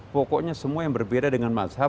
pokoknya semua yang berbeda dengan alam bawah sadar kita